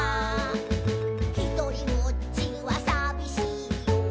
「ひとりぼっちはさびしいよ」